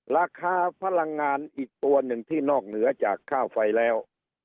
ราคาพลังงานอีกตัวหนึ่งที่นอกเหนือจากค่าไฟแล้ว